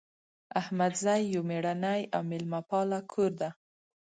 احمدزی یو میړنۍ او میلمه پاله کور ده